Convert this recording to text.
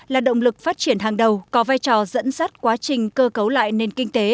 là động lực phát triển hàng đầu có vai trò dẫn dắt quá trình cơ cấu lại nền kinh tế